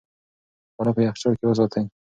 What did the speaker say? خواړه په یخچال کې وساتئ.